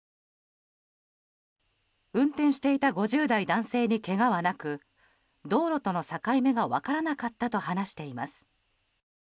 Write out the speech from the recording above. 運転していた５０代男性にけがはなく道路との境目が分からなかったと話しています。